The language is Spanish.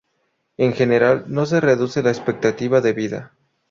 En general no se reduce la expectativa de vida.